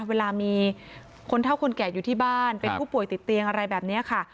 เวลามีคนเท่าคนแก่อยู่ที่บ้านเป็นผู้ป่วยติดเตียงอะไรแบบนี้ค่ะ